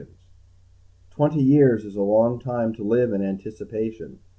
net _Twenty years is a long time to live in anticipation.